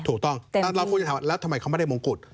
ถูกต้องแล้วทำไมเขาไม่ได้มงกุฎ